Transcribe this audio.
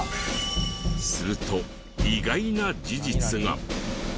すると意外な事実が！